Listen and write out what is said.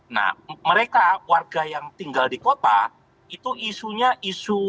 nah mereka warga yang tinggal di kota mereka juga tinggal di desa